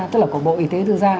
của bộ y tế tư gia